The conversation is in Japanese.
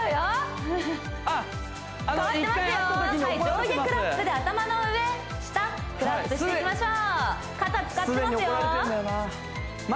上下クラップで頭の上下クラップしていきましょう肩使ってますよ既に怒られてんだよな